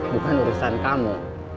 bukan urusan kamu